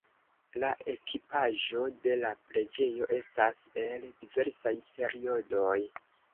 La ekipaĵo de la preĝejo estas el diversaj periodoj.